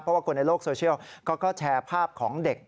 เพราะว่าคนในโลกโซเชียลเขาก็แชร์ภาพของเด็ก